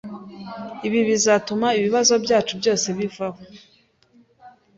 Ibi bizatuma ibibazo byacu byose bivaho?